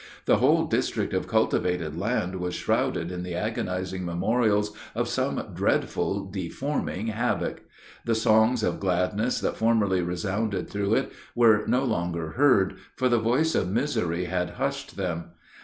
The whole district of cultivated land was shrouded in the agonizing memorials of some dreadful deforming havoc. The songs of gladness that formerly resounded through it were no longer heard, for the voice of misery had hushed them.